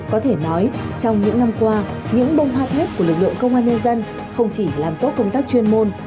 có thể nói trong những năm qua những bông hoa thép của lực lượng công an nhân dân không chỉ làm tốt công tác chuyên môn